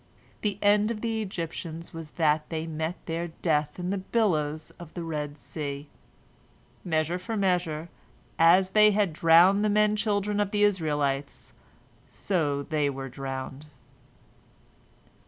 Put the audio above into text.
The end of the Egyptians was that they met their death in the billows of the Red Sea. "Measure for measure"—as they had drowned the men children of the Israelites, so they were drowned.